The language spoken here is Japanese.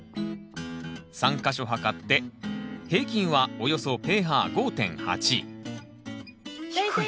３か所測って平均はおよそｐＨ５．８低い。